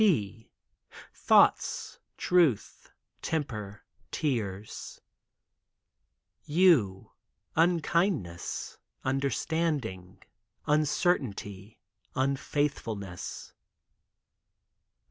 T — Thoughts — Truth — Temper — Tears. U — Unkindness — Understanding — Uncertainty — Unfaithfulness.